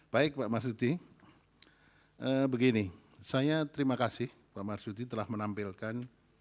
baik pak marsudi begini saya terima kasih pak marsudi telah menampilkan